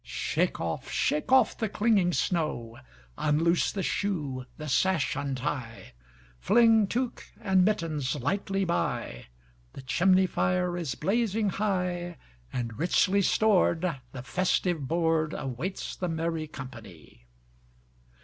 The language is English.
Shake off, shake off the clinging snow; Unloose the shoe, the sash untie, Fling tuque and mittens lightly by; The chimney fire is blazing high, And, richly stored, the festive boardAwaits the merry company.